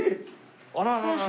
あらららら。